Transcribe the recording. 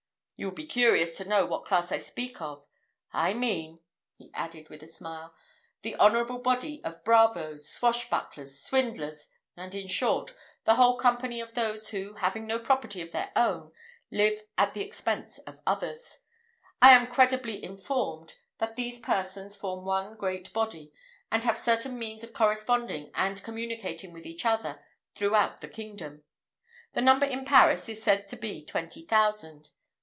You will be curious to know what class I speak of: I mean," he added with a smile, "the honourable body of bravoes, swash bucklers, swindlers, and, in short, the whole company of those who, having no property of their own, live at the expense of others. I am credibly informed that these persons form one great body, and have certain means of corresponding and communicating with each other throughout the kingdom. The number in Paris is said to be twenty thousand.